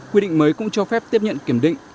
quy định mới cũng cho phép tiếp nhận kiểm định